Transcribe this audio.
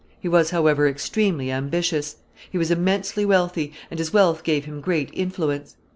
He was, however, extremely ambitious. He was immensely wealthy, and his wealth gave him great influence.